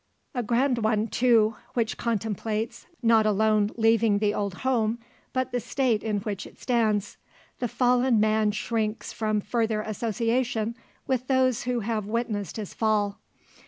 A grand one, too; which contemplates, not alone leaving the old home, but the State in which it stands. The fallen man shrinks from further association with those who have witnessed his fall.